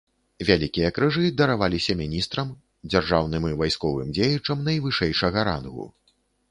Вялікія крыжы дараваліся міністрам, дзяржаўным і вайсковым дзеячам найвышэйшага рангу.